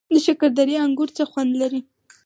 د شکردرې انګور څه خوند لري؟